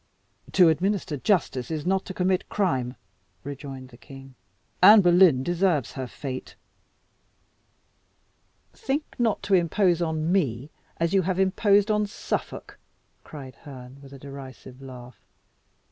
"To administer justice is not to commit crime," rejoined the king. "Anne Boleyn deserves her fate." "Think not to impose on me as you have imposed on Suffolk!" cried Herne, with a derisive laugh.